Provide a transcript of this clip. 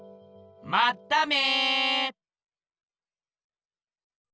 まっため！